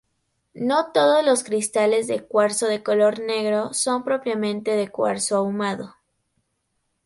No todos los cristales de cuarzo de color negro son propiamente cuarzo ahumado.